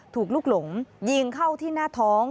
ลูกหลงยิงเข้าที่หน้าท้อง